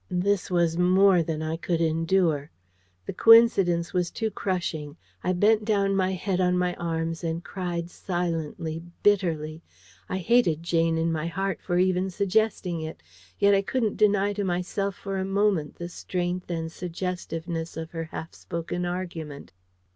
This was more than I could endure. The coincidence was too crushing. I bent down my head on my arms and cried silently, bitterly. I hated Jane in my heart for even suggesting it. Yet I couldn't deny to myself for a moment the strength and suggestiveness of her half spoken argument.